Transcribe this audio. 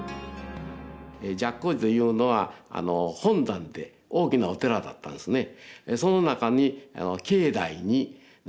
寂光寺というのは本山で大きなお寺だったんですね。